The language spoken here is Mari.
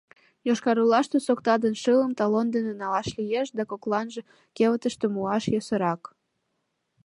Йошкар-Олаште сокта ден шылым талон дене налаш лиеш, да кокланже кевытыште муаш йӧсырак.